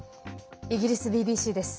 イギリスＢＢＣです。